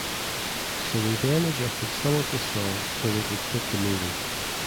So we then adjusted some of the song so it would fit the movie.